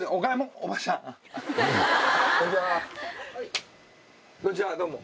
こんにちはどうも。